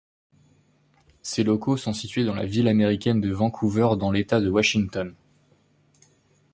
Ses locaux sont situés dans la ville américaine de Vancouver, dans l'État de Washington.